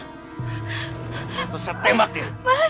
atau saya tembak dia